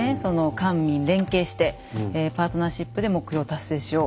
官民連携して「パートナーシップで目標を達成しよう」。